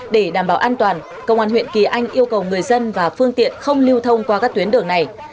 để đảm bảo an toàn công an huyện kỳ anh yêu cầu người dân và phương tiện không lưu thông qua các tuyến đường này